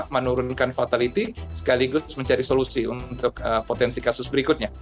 menurunkan fatality sekaligus mencari solusi untuk potensi kasus berikutnya